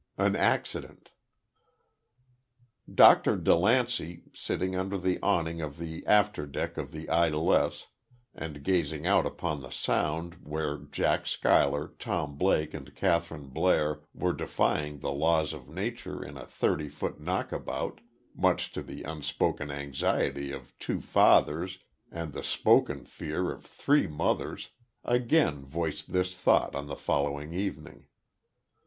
AN ACCIDENT. Dr. DeLancey, sitting under the awning of the after deck of "The Idlesse," and gazing out upon the sound where Jack Schuyler, Tom Blake and Kathryn Blair were defying the laws of nature in a thirty foot knockabout, much to the unspoken anxiety of two fathers and the spoken fear of three mothers, again voiced this thought on the following evening.